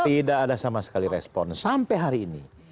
tidak ada sama sekali respon sampai hari ini